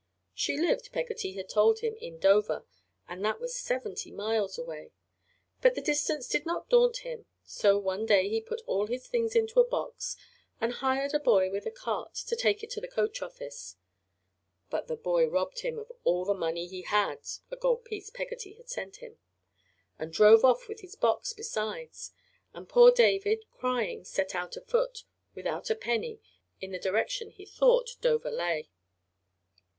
She lived, Peggotty had told him, in Dover, and that was seventy miles away; but the distance did not daunt him. So one day he put all his things into a box and hired a boy with a cart to take it to the coach office. But the boy robbed him of all the money he had (a gold piece Peggotty had sent him) and drove off with his box besides, and poor David, crying, set out afoot, without a penny, in the direction he thought Dover lay.